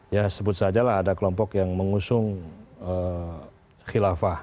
ya sebut sajalah ada kelompok yang mengusung khilafat